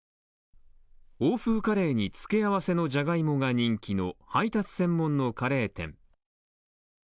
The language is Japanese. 欧風カレーに付け合わせのじゃがいもが人気の配達専門のカレー店。